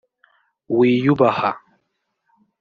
wiyubaha